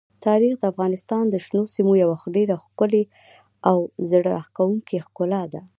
تاریخ د افغانستان د شنو سیمو یوه ډېره ښکلې او زړه راښکونکې ښکلا ده.